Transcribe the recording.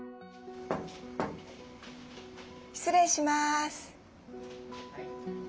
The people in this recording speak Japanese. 失礼します。